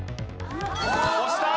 押した。